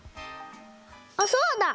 あっそうだ！